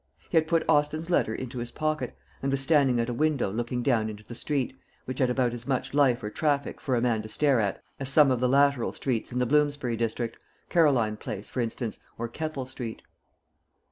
He had put Austin's letter into his pocket, and was standing at a window looking down into the street, which had about as much life or traffic for a man to stare at as some of the lateral streets in the Bloomsbury district Caroline place, for instance, or Keppel street.